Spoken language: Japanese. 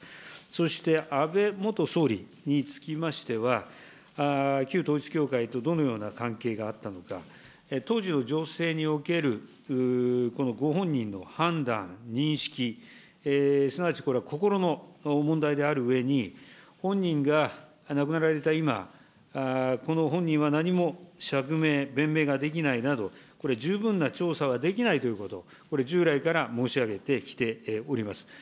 そして安倍元総理につきましては、旧統一教会とどのような関係があったのか、当時の情勢におけるご本人の判断、認識、すなわちこれは心の問題であるうえに、本人が亡くなられた今、本人は何も釈明、弁明ができないなど、これ、十分な調査はできないということ、これ、従来から申し上げてきております。